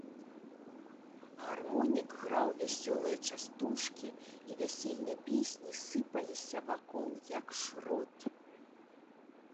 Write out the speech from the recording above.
Гармонік граў вясёлыя частушкі, і вясельныя песні сыпаліся вакол, як шрот.